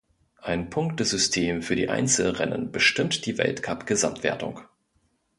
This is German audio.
Ein Punktesystem für die Einzelrennen bestimmt die Weltcup-Gesamtwertung.